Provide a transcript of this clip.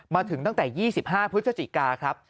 มาถึงตั้งแต่๒๕พฤศจิกาครับ